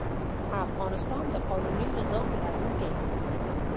افغانستان د قانوني نظام لرونکی وي.